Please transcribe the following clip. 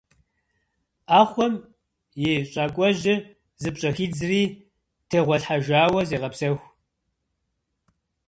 Ӏэхъуэм и щӏакӏуэжьыр зыпщӏэхидзри тегъуэлъхьэжауэ зегъэпсэху.